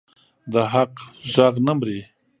د حق غږ نه مري